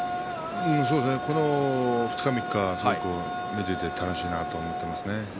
ここ２日、３日見ていて楽しいなと思っていますね。